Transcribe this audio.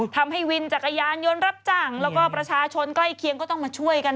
ทำให้วินจักรยานยนต์รับจ้างแล้วก็ประชาชนใกล้เคียงก็ต้องมาช่วยกัน